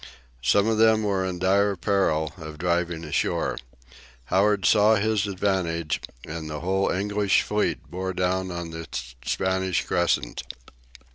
Some of them were in dire peril of driving ashore. Howard saw his advantage, and the whole English fleet bore down on the Spanish crescent.